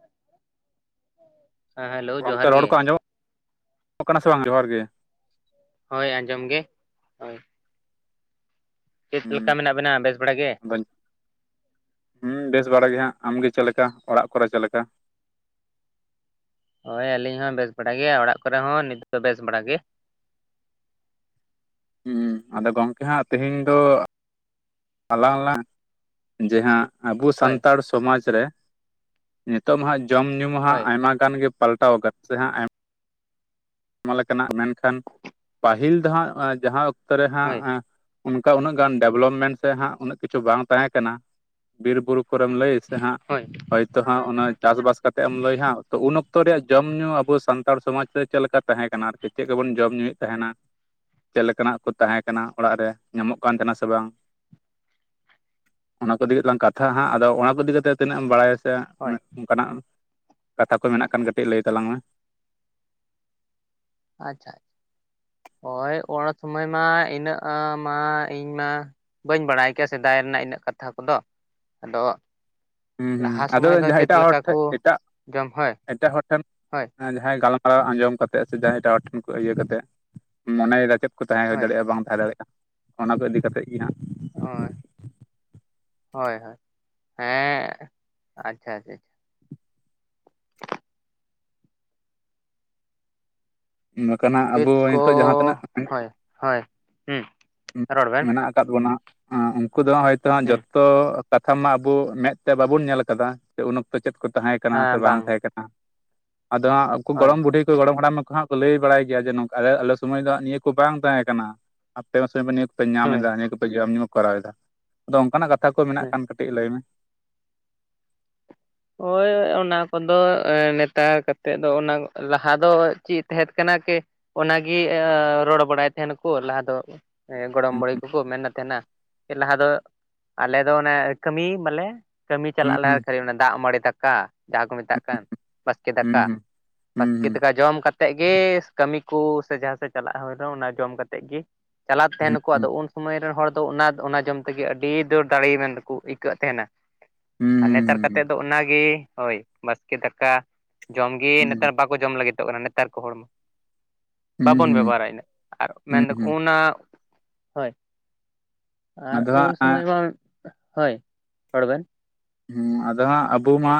[inaudible] ᱦᱮᱸ ᱦᱮᱞᱳ ᱜᱚᱝᱠᱮ ᱡᱚᱦᱟᱨ ᱨᱚᱲ ᱜᱮ᱾ ᱠᱚ ᱟᱸᱡᱚᱢᱚᱜ ᱠᱟᱱᱟ ᱥᱮ ᱵᱟᱝ? ᱡᱚᱦᱟᱨ ᱜᱮ᱾ ᱦᱳᱭ ᱟᱸᱡᱚᱢ ᱜᱮ ᱦᱳᱭ᱾ ᱪᱮᱫᱞᱮᱠᱟ ᱦᱩᱸ ᱢᱮᱱᱟᱜ ᱵᱤᱱᱟ ᱵᱮᱥ ᱵᱟᱲᱟ ᱜᱮ? ᱟᱫᱚᱧ ᱦᱩᱸ ᱵᱮᱥ ᱵᱟᱲᱟ ᱜᱮ ᱦᱟᱸᱜ ᱟᱢᱜᱮ ᱪᱮᱫ ᱞᱮᱠᱟ ᱚᱲᱟᱜ ᱠᱚᱨᱮ ᱪᱮᱫ ᱞᱮᱠᱟ? ᱦᱳᱭ ᱟᱹᱞᱤᱧ ᱦᱚᱸ ᱵᱮᱥ ᱵᱟᱲᱟ ᱜᱮᱭᱟ᱾ ᱚᱲᱟᱜ ᱠᱚᱨᱮ ᱦᱚᱸ ᱱᱤᱛ ᱫᱚ ᱵᱮᱥ ᱵᱟᱲᱟ ᱜᱮ᱾ [inaudible] ᱦᱩᱸ ᱟᱫᱚ ᱜᱚᱝᱠᱮ ᱦᱟᱸᱜ ᱛᱮᱦᱮᱧ ᱫᱚ ᱟᱞᱟᱝᱞᱟᱝ ᱡᱮ ᱦᱟᱸᱜ ᱟᱵᱚ ᱦᱳᱭ ᱥᱟᱱᱛᱟᱲ ᱥᱚᱢᱟᱡᱽ ᱨᱮ ᱱᱤᱛᱚᱜ ᱢᱟ ᱡᱚᱢᱼ ᱧᱩᱩ ᱢᱟ ᱦᱟᱸ ᱦᱳᱭ ᱟᱭᱢᱟ ᱜᱟᱱ ᱜᱮ ᱯᱟᱞ [unintelligible] ᱟᱭᱢᱟ ᱞᱮᱠᱟᱱᱟᱜ ᱢᱮᱱᱠᱷᱟᱱ ᱯᱟᱹᱦᱤᱞ ᱫᱚ ᱦᱟᱸᱜ ᱡᱟᱦᱟᱸ ᱚᱠᱛᱚ ᱨᱮ ᱦᱳᱭ ᱦᱟᱸᱜ ᱚᱱᱠᱟ ᱩᱱᱟᱹᱜ ᱜᱟᱱ ᱰᱮᱵᱞᱚᱯᱢᱮᱱᱴ ᱥᱮ ᱦᱟᱸᱜ ᱩᱱᱟᱹᱜ ᱠᱤᱪᱷᱩ ᱵᱟᱝ ᱛᱟᱦᱮᱸ ᱠᱟᱱᱟ᱾ ᱵᱤᱨ ᱵᱩᱨᱩ ᱠᱚᱨᱮᱢ ᱞᱟᱹᱭᱮᱫ ᱦᱟᱸᱜ ᱦᱳᱭ ᱦᱚᱭᱛᱚ ᱦᱟᱸᱜ ᱚᱱᱟ ᱪᱟᱥᱵᱟᱥ ᱠᱟᱛᱮ ᱮᱢ ᱞᱟᱹᱭ ᱦᱟᱸᱜ ᱩᱱᱛ ᱚᱠᱛᱚ ᱨᱮᱭᱟᱜ ᱡᱚᱢ ᱧᱩ ᱟᱵᱚ ᱥᱟᱱᱛᱟᱲ ᱥᱚᱢᱟᱡᱽ ᱨᱮ ᱪᱮᱫ ᱞᱮᱠᱟ ᱛᱟᱦᱮᱸ ᱠᱟᱱᱟ ᱟᱨ ᱪᱮᱫ ᱠᱚᱵᱚᱱ ᱡᱚᱢ ᱧᱩᱭᱮᱫ ᱛᱟᱦᱮᱱᱟ? ᱪᱮᱫ ᱞᱮᱠᱟᱱᱟᱜ ᱠᱚ ᱛᱟᱦᱮᱸ ᱠᱟᱱᱟ ᱚᱲᱟᱜ ᱨᱮ ᱧᱟᱢᱚᱜ ᱠᱟᱱ ᱛᱟᱦᱮᱱᱟ ᱥᱮ ᱵᱟᱝ? ᱚᱱᱟ ᱠᱚ ᱤᱫᱞᱟᱝ ᱠᱟᱛᱷᱟ ᱦᱟᱸᱜ ᱟᱫᱚ ᱚᱱᱟ ᱠᱚ ᱤᱫᱤ ᱠᱟᱛᱮ ᱛᱤᱱᱟᱹᱜ ᱮᱢ ᱵᱟᱲᱟᱭᱟ? ᱥᱮ ᱦᱳᱭ ᱚᱱᱠᱟᱱᱟᱜ ᱠᱟᱛᱷᱟ ᱠᱚ ᱢᱮᱱᱟᱜ ᱠᱷᱟᱱ ᱠᱟᱹᱴᱤᱡ ᱞᱟᱹᱭ ᱛᱟᱞᱟᱝ ᱢᱮ᱾ ᱟᱪᱪᱷᱟ ᱟᱪᱪᱷᱟ᱾ ᱦᱚᱭ ᱚᱱᱟ ᱥᱚᱢᱚᱭ ᱢᱟ ᱤᱱᱟᱹᱜ ᱢᱟ ᱤᱧ ᱢᱟ ᱵᱟᱹᱧ ᱵᱟᱲᱟᱭ ᱠᱮᱭᱟ ᱥᱮᱫᱟᱭ ᱮᱱ ᱨᱮᱱᱟᱜ ᱤᱱᱟᱹᱜ ᱠᱟᱛᱷᱟ ᱠᱚᱫᱚ ᱟᱫᱚ ᱦᱩᱸ ᱦᱩᱸ ᱞᱟᱦᱟ ᱟᱫᱚ ᱥᱚᱢᱚᱭ ᱫᱚ ᱡᱟᱦᱟᱸ ᱪᱮᱫ ᱮᱴᱟᱜ ᱦᱚᱲ ᱞᱮᱠᱟ ᱴᱷᱮᱜ ᱠᱚ ᱮᱴᱟᱜ ᱡᱚᱢ ᱦᱳᱭ ᱮᱴᱟᱜ ᱦᱚᱲ ᱴᱷᱮᱱ ᱦᱳᱭ ᱡᱟᱦᱟᱸᱭ ᱜᱟᱞᱢᱟ ᱟᱸᱡᱚᱢ ᱠᱟᱛᱮ ᱥᱮ ᱡᱟᱦᱟᱸᱭ ᱮᱴᱟᱜ ᱦᱚᱲ ᱴᱷᱮᱱ ᱠᱷᱚᱱ ᱤᱭᱟᱹ ᱠᱟᱛᱮᱫ ᱢᱚᱱᱮ ᱨᱮ ᱪᱮᱫ ᱠᱚ ᱛᱟᱦᱮᱸ ᱦᱳᱭ ᱫᱟᱲᱮᱭᱟᱜᱼᱟ ᱵᱟᱝ ᱛᱟᱦᱮᱸ ᱫᱟᱲᱮᱭᱟᱜᱼᱟ? ᱚᱱᱟ ᱠᱚ ᱤᱫᱤ ᱠᱟᱛᱮᱫ ᱜᱮ ᱦᱟᱸᱜ᱾ ᱦᱚᱭ᱾ ᱦᱚᱭ-ᱦᱚᱭ ᱦᱮᱸ ᱟᱪᱪᱷᱟ-ᱟᱪᱪᱷᱟ᱾ ᱵᱟᱠᱷᱟᱱ ᱱᱟᱦᱟᱜ ᱪᱮᱫ ᱟᱵᱚ ᱠᱚ ᱱᱤᱛᱚᱜ ᱡᱟᱦᱟᱸᱛᱤᱱᱟᱹᱜ ᱦᱳᱭ ᱦᱳᱭ ᱦᱩᱸ ᱨᱚᱲ ᱵᱮᱱ ᱢᱮᱱᱟᱜ ᱟᱠᱟᱫ ᱵᱚᱱᱟ᱾ ᱟᱸ ᱩᱱᱠᱩ ᱫᱚ ᱦᱚᱭᱛᱚ ᱦᱩᱸ ᱡᱚᱛᱚ ᱠᱟᱛᱷᱟ ᱢᱟ ᱟᱵᱚ ᱢᱮᱫ ᱛᱮ ᱵᱟᱵᱚᱱ ᱧᱮᱞ ᱠᱟᱫᱟ ᱩᱱ ᱚᱠᱛᱚ ᱪᱮᱫ ᱠᱚ ᱛᱟᱦᱮᱸ ᱠᱟᱱᱟ ᱥᱮ ᱵᱟᱝ ᱛᱟᱦᱮᱸ ᱠᱟᱱᱟ ᱟᱫᱚ ᱦᱟᱸᱜ ᱟᱠᱩ ᱦᱳᱭ ᱜᱚᱲᱚᱢ ᱵᱩᱰᱦᱤ ᱠᱚ ᱜᱚᱲᱚᱢ ᱦᱟᱲᱟᱢ ᱩᱱᱠᱩ ᱦᱟᱸᱜ ᱠᱚ ᱞᱟᱹᱭ ᱵᱟᱲᱟᱭ ᱜᱮᱭᱟ ᱡᱮ ᱱᱚᱝᱠᱟ ᱟᱞᱮ ᱥᱩᱚᱢᱚᱭ ᱫᱚ ᱱᱤᱭᱟᱹ ᱠᱚ ᱵᱟᱝ ᱛᱟᱦᱮᱸ ᱠᱟᱱᱟ ᱟᱯᱮ ᱥᱚᱢ ᱫᱚ ᱱᱤᱭᱟᱹ ᱯᱮ ᱦᱳᱭ ᱧᱟᱢᱮᱫᱟ ᱱᱤᱭᱟᱹ ᱠᱚᱯᱮ ᱡᱚᱢ ᱧᱩ ᱠᱚᱨᱟᱣᱮᱫᱟ ᱟᱫᱚ ᱚᱱᱠᱟᱱᱟᱜ ᱠᱟᱛᱷᱟ ᱠᱚ ᱢᱮᱱᱟᱜ ᱦᱮᱸ ᱠᱷᱟᱱ ᱠᱟᱹᱴᱤᱡ ᱞᱟᱹᱭ ᱢᱮ ᱦᱳᱭ ᱚᱱᱟ ᱠᱚᱫᱚ ᱱᱮᱛᱟᱨ ᱠᱟᱛᱮᱫ ᱫᱚ ᱚᱱᱟ ᱞᱟᱦᱟ ᱫᱚ ᱪᱮᱫ ᱛᱟᱦᱮᱸᱫ ᱠᱟᱱᱟ [unintelligible] ᱚᱱᱟᱜᱮ ᱨᱚᱲ ᱵᱟᱲᱟᱭ ᱛᱟᱦᱮᱱᱟᱠᱚ ᱞᱟᱦᱟ ᱫᱚ ᱜᱚᱲᱚᱢ ᱦᱩᱸ ᱵᱩᱲᱦᱤ ᱠᱚᱠᱚ ᱢᱮᱱᱮᱫ ᱛᱟᱦᱮᱱᱟ ᱞᱟᱦᱟ ᱫᱚ ᱟᱞᱮ ᱫᱚ ᱚᱱᱮ ᱠᱟᱹᱢᱤ ᱢᱟᱞᱮ ᱠᱟᱹᱢᱤ ᱪᱟᱞᱟᱜ ᱞᱟᱜᱟ ᱦᱩᱸ ᱠᱷᱟᱹᱞᱤ ᱚᱱᱟᱫᱚ ᱫᱟᱜ ᱢᱟᱹᱲᱤ ᱫᱟᱠᱟ ᱡᱟᱦᱟᱸ ᱠᱚ ᱢᱮᱛᱟᱜ ᱠᱟᱱ ᱵᱟᱥᱠᱮ ᱦᱩᱸ ᱫᱟᱠᱟ ᱵᱟᱥᱠᱮ ᱦᱩᱸ ᱫᱟᱠᱟ ᱡᱚᱢ ᱠᱟᱛᱮᱫ ᱜᱮ ᱠᱟᱹᱢᱤ ᱠᱚ ᱥᱮ ᱡᱟᱦᱟᱸ ᱥᱮᱫ ᱪᱟᱞᱟᱜ ᱦᱚᱲ ᱫᱚ ᱚᱱᱟ ᱡᱚᱢ ᱠᱟᱛᱮᱫ ᱜᱮ ᱪᱟᱞᱞᱟᱜ ᱦᱩᱸ ᱛᱟᱦᱮᱱᱟᱠᱚ ᱦᱩᱸ ᱟᱫᱚ ᱩᱱ ᱥᱚᱢᱚᱭ ᱨᱮᱱ ᱦᱚᱲ ᱚᱱᱟ ᱚᱱᱟ ᱡᱚᱢ ᱛᱮᱜᱮ ᱟᱹᱰᱤ ᱫᱟᱹᱲ ᱫᱟᱲᱮ ᱢᱮᱱ ᱫᱟᱠᱚ ᱟᱹᱭᱠᱟᱹᱜ ᱛᱟᱦᱮᱱᱟ ᱟᱨ ᱦᱩᱸ ᱦᱩᱸ ᱱᱮᱛᱟᱨ ᱠᱟᱛᱮ ᱦᱩᱸ ᱫᱚ ᱚᱱᱟᱜᱮ ᱦᱳᱭ ᱵᱟᱥᱠᱮ ᱫᱟᱠᱟ ᱡᱚᱢᱜᱮ ᱦᱩᱸ ᱱᱮᱛᱟᱨ ᱵᱟᱠᱚ ᱡᱚᱢ ᱞᱟᱹᱜᱤᱫᱚᱜ ᱠᱟᱱᱟ ᱱᱮᱛᱟᱨ ᱠᱚ ᱦᱚᱲᱢᱚ ᱦᱩᱸ ᱦᱩᱸ ᱦᱩᱸ ᱵᱟᱵᱚᱱ ᱦᱩᱸ ᱵᱮᱵᱚᱦᱟᱨᱟ ᱤᱱᱟᱹᱜ ᱟᱨ ᱦᱩᱸ ᱦᱩᱸ ᱢᱮᱱᱫᱟᱠᱚ ᱦᱩᱸ ᱚᱱᱟ ᱦᱳᱭ ᱟᱨ ᱟᱫᱚ ᱩᱱ ᱦᱟᱸᱜ ᱥᱚᱢᱚᱭ ᱵᱟᱝ ᱦᱳᱭ ᱦᱚᱲ ᱵᱮᱱ ᱦᱮᱸ ᱟᱫᱚ ᱦᱟᱸᱜ ᱟᱵᱚ ᱢᱟ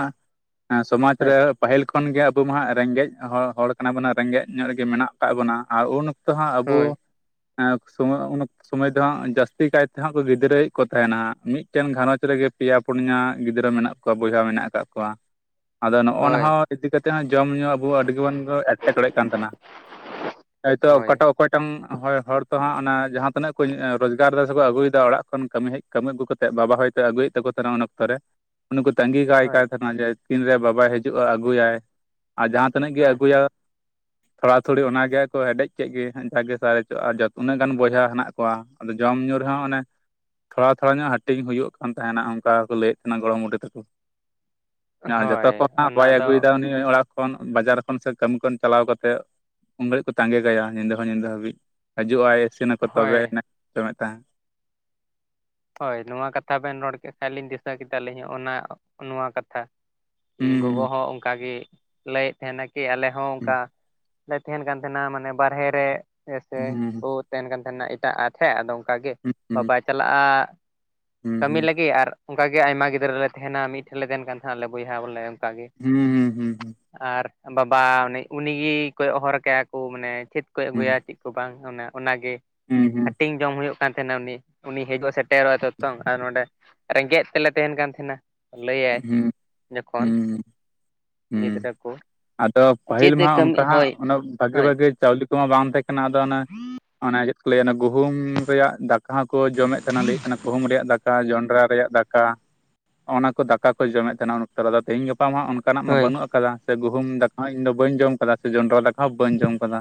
ᱥᱚᱢᱟᱡ ᱦᱳᱭ ᱨᱮ ᱯᱟᱹᱦᱤᱞ ᱠᱷᱚᱱ ᱜᱮ ᱟᱵᱩ ᱢᱟ ᱦᱟᱜ ᱨᱮᱸᱜᱮᱡ ᱦᱚᱲ ᱦᱚᱲ ᱠᱟᱱᱟ ᱵᱚᱱᱟ ᱨᱮᱸᱜᱮᱡ ᱧᱚᱜ ᱨᱮᱜᱮ ᱢᱮᱱᱟᱜ ᱟᱠᱟᱫ ᱵᱚᱱᱟ ᱟᱨ ᱩᱱ ᱛᱚ ᱦᱟᱸᱜ ᱟᱵᱚ ᱦᱳᱭ ᱟ ᱥᱚᱢᱚᱭᱩᱱ ᱥᱚᱢᱚᱭ ᱫᱚ ᱦᱟᱸᱜ ᱡᱟᱹᱥᱛᱤ ᱠᱟᱭ ᱛᱮᱦ ᱦᱟᱸᱜ ᱜᱤᱫᱽᱨᱟᱹᱭᱚᱠ ᱠᱚ ᱛᱟᱦᱮᱱᱟ ᱦᱟᱸᱜ ᱢᱤᱫᱴᱮᱱ ᱜᱟᱹᱨᱚᱸᱡᱽ ᱨᱮᱜᱮ ᱯᱮᱭᱟ ᱯᱩᱱᱭᱟ ᱜᱤᱫᱽᱨᱟᱹ ᱢᱮᱱᱟᱜ ᱠᱚᱣᱟ ᱵᱚᱭᱦᱟ ᱢᱮᱱᱟᱜ ᱟᱠᱟᱫ ᱠᱚᱣᱟ ᱟᱫᱚ ᱱᱚᱜᱼᱚ ᱦᱳᱭ ᱱᱟᱦᱟᱣ ᱤᱫᱤ ᱠᱟᱛᱮᱫ ᱦᱚᱸ ᱡᱚᱢ ᱧᱩ ᱟᱵᱚ ᱟᱹᱰᱤᱜᱮᱵᱚᱱ ᱮᱴᱠᱮᱴᱬᱮᱜ ᱠᱟᱱ ᱛᱟᱦᱮᱱᱟ ᱦᱚᱭᱛᱳ ᱦᱳᱭ ᱚᱠᱟᱴᱟᱜ ᱚᱠᱚᱭᱴᱟᱜ ᱦᱚᱲ ᱛᱚ ᱦᱟᱸᱜ ᱚᱱᱟ ᱡᱟᱦᱟᱸᱛᱤᱱᱟᱹᱜ [unintelligible] ᱨᱚᱡᱜᱟᱨ ᱨᱮ ᱥᱮ ᱵᱚ ᱟᱜᱩᱭᱮᱫᱟ ᱚᱲᱟᱜ ᱠᱷᱚᱱ ᱠᱟᱹᱢᱤ ᱦᱮᱡ ᱠᱟᱹᱢᱤ ᱟᱹᱜᱩ ᱠᱟᱛᱮᱮᱫ ᱵᱟᱵᱟ ᱦᱚᱭᱛᱳ ᱟᱹᱜᱩᱭᱮᱫᱟᱠᱚ ᱛᱟᱦᱮᱱᱟ ᱩᱱ ᱚᱠᱛᱚ ᱨᱮ ᱩᱱᱤ ᱠᱚ ᱛᱟᱸᱜᱤ ᱠᱟᱭ ᱦᱳᱭ ᱠᱟᱭ ᱛᱟᱦᱮᱱᱟ ᱡᱮ ᱛᱤᱱ ᱨᱮ ᱵᱟᱵᱟᱭ ᱦᱤᱡᱩᱜᱼᱟ ᱟᱹᱜᱩᱭᱟᱭ ᱟᱨ ᱡᱟᱦᱟᱸ ᱛᱤᱱᱟᱹᱜ ᱜᱮ ᱦᱳᱭ ᱟᱹᱜᱩᱭᱟ ᱛᱷᱚᱲᱟ ᱛᱷᱲᱤ ᱚᱱᱟᱜᱮᱠᱚ ᱦᱮᱰᱮᱡ ᱠᱮᱫ ᱜᱮ ᱡᱟᱜᱮ ᱥᱟᱨᱮᱡᱚᱜᱼᱟ ᱩᱱᱟᱹᱜ ᱜᱟᱱ ᱵᱚᱭᱦᱟ ᱦᱮᱱᱟᱜᱠᱚᱣᱟ ᱟᱫᱚ ᱡᱚᱢ ᱧᱩ ᱨᱮᱦᱚᱸ ᱚᱱᱮ ᱛᱷᱚᱲᱟ ᱛᱷᱚᱲᱟ ᱧᱚᱜ ᱦᱟᱹᱴᱤᱧ ᱦᱩᱭᱩᱜ ᱠᱟᱱ ᱛᱟᱦᱮᱱᱟ ᱚᱱᱠᱟ ᱠᱚ ᱞᱟᱹᱭᱮ ᱜᱚᱲᱚᱢ ᱵᱩᱰᱷᱤ ᱛᱮᱠᱚ ᱟᱨ ᱡᱚᱛᱚ ᱦᱳᱭ ᱠᱚ ᱦᱟᱸᱜ ᱚᱱᱟ ᱵᱟᱭ ᱫᱚ ᱟᱹᱜᱩᱭᱮᱫᱟ ᱩᱱᱤ ᱚᱲᱟᱜ ᱠᱷᱚᱱ ᱵᱟᱡᱟᱨ ᱠᱷᱚᱱ ᱥᱮ ᱠᱟᱹᱢᱤ ᱠᱷᱚᱱ ᱪᱟᱞᱟᱣ ᱠᱟᱛᱮᱮᱫ ᱩᱱ ᱜᱷᱟᱹᱲᱤᱡ ᱠᱚ ᱛᱟᱸᱜᱮ ᱠᱟᱭᱟ ᱧᱤᱸᱫᱟᱹ ᱦᱚᱸ ᱧᱤᱸᱫᱟᱹ ᱦᱟᱹᱵᱤᱡ ᱦᱟᱡᱩᱜᱼᱟᱭ ᱤᱥᱤᱱᱟᱠᱚ ᱦᱳᱭ ᱛᱚᱵᱮ ᱮᱱᱟᱜ [unintelligible] ᱦᱚᱪᱚᱢᱮᱫ ᱛᱟᱦᱮᱸ ᱦᱳᱭ ᱱᱚᱣᱟ ᱠᱟᱛᱷᱟ ᱵᱮᱱ ᱨᱚᱲ ᱠᱮᱫ ᱠᱷᱟᱱ ᱞᱤᱧ ᱫᱤᱥᱟᱹ ᱠᱮᱫᱟᱞᱤᱧ ᱚᱱᱟ ᱱᱚᱣᱟ ᱠᱟᱛᱷᱟ ᱤᱧ ᱜᱚᱜᱚ ᱦᱩᱸ ᱦᱚᱸ ᱚᱱᱠᱟᱜᱮ ᱞᱟᱹᱭᱮᱫ ᱛᱟᱦᱮᱱᱟ ᱠᱤ ᱟᱞᱮ ᱦᱚᱸ ᱦᱩᱸ ᱚᱱᱠᱟ ᱞᱮ ᱛᱟᱦᱮᱱ ᱠᱟᱱ ᱛᱟᱦᱮᱱᱟ ᱢᱟᱱᱮ ᱵᱟᱨᱦᱮ ᱨᱮ ᱥᱮ ᱠᱚ ᱛᱟᱦᱮᱱ ᱠᱟᱱ ᱛᱟᱦᱮᱱᱟ ᱮᱴᱟᱜ ᱟ ᱥᱮ ᱟᱫᱚ ᱚᱱᱠᱟᱜ ᱜᱮ ᱦᱩᱸ ᱵᱟ ᱦᱩᱸ ᱵᱟᱭ ᱪᱟᱞᱟᱜᱼᱟ ᱦᱩᱸ ᱠᱟᱹᱢᱤ ᱦᱩᱸ ᱞᱟᱹᱜᱤᱫ ᱟᱨ ᱚᱱᱠᱟ ᱜᱮ ᱟᱭᱢᱟ ᱜᱤᱫᱽᱨᱟᱹ ᱞᱮ ᱛᱟᱦᱮᱱᱟ ᱢᱤᱫᱴᱷᱮᱱ ᱞᱮ ᱛᱟᱦᱮᱱ ᱠᱟᱱ ᱛᱟᱦᱮᱸᱱᱟ ᱟᱞᱮ ᱵᱚᱭᱦᱟ ᱵᱚᱞᱮ ᱚᱱᱠᱟᱜᱮ ᱦᱩᱸ ᱦᱩᱸ ᱦᱩᱸ ᱦᱩᱸ ᱟᱨ ᱵᱟᱵᱟ ᱚᱱᱮ ᱩᱱᱤᱜᱤ ᱠᱚᱭᱚᱜ ᱦᱚᱨ ᱠᱟᱭᱟ ᱠᱚ ᱢᱟᱱᱮ ᱪᱮᱫ ᱠᱚᱭ ᱦᱩᱸ ᱟᱹᱜᱩᱭᱟ ᱪᱮᱫ ᱠᱚ ᱵᱟᱝ ᱚᱱᱟ ᱚᱱᱟᱜᱮ ᱦᱩᱸ ᱦᱩᱸ ᱦᱩᱸ ᱦᱟᱹᱴᱤᱧ ᱡᱚᱢ ᱦᱩᱭᱩᱜ ᱠᱟᱱ ᱛᱟᱦᱮᱱᱟ ᱩᱱᱤ ᱩᱱᱤ ᱦᱤᱡᱩᱜ ᱥᱮᱴᱮᱨᱚᱜᱼᱟ ᱛᱚᱝ ᱟᱨ ᱱᱚᱰᱮ ᱨᱮᱸᱜᱮᱡ ᱛᱮᱞᱮ ᱛᱟᱦᱮᱱ ᱠᱟᱱ ᱛᱟᱦᱮᱱᱟ ᱞᱟᱹᱭᱟᱭ ᱦᱩᱸ ᱦᱩᱸ ᱡᱚᱠᱷᱚᱱ ᱦᱩᱸ ᱦᱩᱸ ᱜᱤᱫᱨᱟᱹᱠᱚ ᱟᱫᱚ ᱯᱟᱹᱦᱤᱞ ᱢᱟ ᱦᱟᱸᱜ ᱚᱱᱠᱟ ᱦᱟᱸᱜ ᱚᱱᱟ ᱵᱷᱟᱜᱤ ᱦᱳᱭ ᱵᱷᱟᱜᱤ ᱪᱟᱣᱞᱤ ᱠᱚᱢᱟ ᱵᱟᱝ ᱛᱟᱦᱮᱸ ᱠᱟᱱᱟ ᱟᱫᱚ ᱚᱱᱮ ᱚᱱᱟᱜᱮ ᱞᱟᱹᱭ ᱚᱱᱟ ᱜᱩᱦᱩᱢ ᱨᱮᱭᱟᱜ ᱫᱟᱠᱟ ᱦᱚᱸᱠᱚ ᱡᱚᱢᱮᱫ ᱛᱟᱦᱮᱱᱟ ᱞᱟᱹᱭᱮᱫ ᱛᱟᱦᱮᱱᱟ ᱜᱩᱦᱩᱢ ᱨᱮᱭᱟᱜ ᱫᱟᱠᱟ ᱡᱚᱸᱰᱨᱟ ᱨᱮᱭᱟᱜ ᱫᱟᱠᱟ ᱚᱱᱟ ᱠᱚ ᱫᱟᱠᱟ ᱠᱚ ᱡᱚᱢᱮᱫ ᱛᱟᱦᱮᱱᱟ ᱩᱱ ᱚᱠᱛᱚᱫᱚ ᱛᱮᱦᱤᱧ ᱜᱟᱯᱟ ᱢᱟ ᱦᱟᱸᱜ ᱚᱱᱠᱟᱱᱟᱜ ᱢᱟ ᱦᱳᱭ ᱵᱟᱹᱱᱩᱜ ᱟᱠᱟᱫᱟ ᱥᱮ ᱜᱩᱦᱩᱢ ᱫᱟᱠᱟ ᱦᱚᱸ ᱤᱧ ᱫᱚ ᱵᱟᱹᱧ ᱡᱚᱢ ᱟᱠᱟᱫᱟ ᱥᱮ ᱡᱚᱱᱰᱨᱟ ᱫᱟᱠᱟ ᱦᱚᱸ ᱵᱟᱹᱧ ᱡᱚᱢ ᱟᱠᱟᱫᱟ